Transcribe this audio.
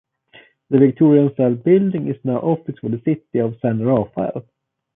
The Victorian-style building is now offices for the City of San Rafael.